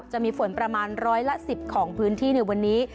จะมีฝนประมาณร้อยละ๑๐ของพื้นที่ในวันนี้